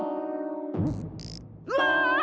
うわ！